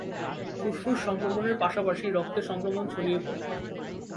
ফুসফুস সংক্রমণের পাশাপাশি রক্তে সংক্রমণ ছড়িয়ে পড়ে।